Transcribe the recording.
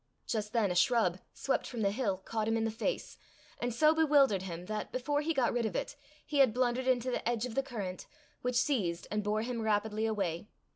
Just then a shrub, swept from the hill, caught him in the face, and so bewildered him, that, before he got rid of it, he had blundered into the edge of the current, which seized and bore him rapidly away.